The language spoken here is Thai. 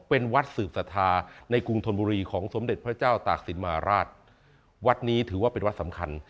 เป็นวัดสืบศรัทธาในกรุงธนบุรีของสมเด็จพระเจ้าตากศิลปราชวัดนี้ถือว่าเป็นวัดสำคัญ